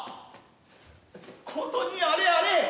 ことにあれ